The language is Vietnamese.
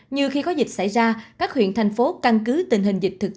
như khi có dịch xảy ra các huyện thành phố căn cứ tình hình dịch thực